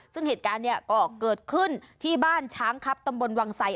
ซึ่งเหตุการณ์เนี่ยก็เกิดขึ้นที่บ้านช้างครับตำบลวังไส